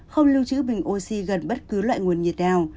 không lưu trữ bình oxy gần bất cứ loại nguồn nhiệt nào